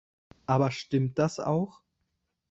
Aber stimmt das auch?